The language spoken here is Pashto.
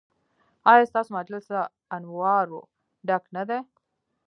ایا ستاسو مجلس له انوارو ډک نه دی؟